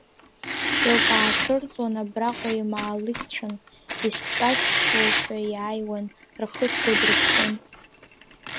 Шьоук аацәырҵуан абраҟа имаалықьцәан, исҿаччошәа иааиуан, рхы сгәадырԥхон.